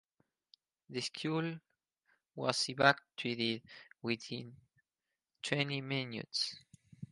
The school was evacuated within twenty minutes.